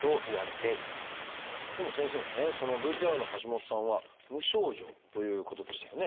でも先生ねＶＴＲの橋下さんは無症状ということでしたよね。